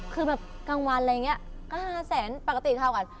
คือแบบกลางวันอะไรอย่างนี้ก็๕แสนปกติเท่ากัน